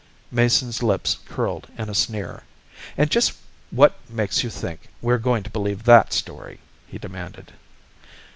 Mason's lips curled in a sneer. "And just what makes you think we're going to believe that story?" he demanded.